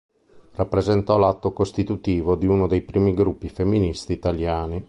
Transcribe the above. Rappresentò l'atto costitutivo di uno dei primi gruppi femministi italiani.